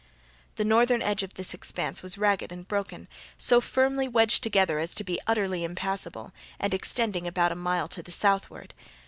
The northern edge of this expanse was ragged and broken, so firmly wedged together as to be utterly impassible, and extending about a mile to the southward.